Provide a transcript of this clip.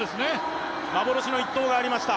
幻の１投がありました。